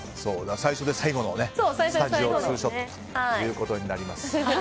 最初で最後のスタジオツーショットということになります。